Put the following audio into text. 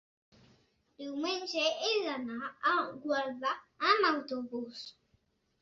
diumenge he d'anar a Gualba amb autobús.